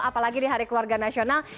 apalagi di hari keluarga nasional